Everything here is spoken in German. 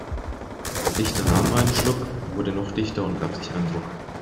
Der Dichter nahm einen Schluck, wurde noch dichter und gab sich einen Ruck.